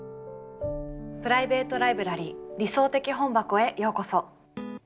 プライベート・ライブラリー「理想的本箱」へようこそ。